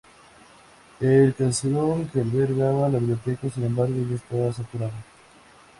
El caserón que albergaba la biblioteca, sin embargo, ya estaba saturado.